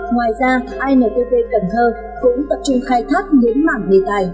ngoài ra intt cần thơ cũng tập trung khai thác những mảng nghề tài